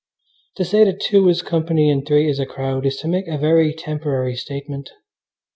To say that two is company and three is a crowd is to make a very temporary statement.